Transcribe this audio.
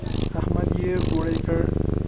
احمد يې ګوړۍ کړ.